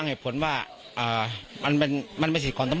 กลุ่มวัยรุ่นกลัวว่าจะไม่ได้รับความเป็นธรรมทางด้านคดีจะคืบหน้า